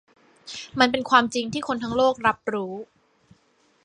มันเป็นความจริงที่คนทั้งโลกรับรู้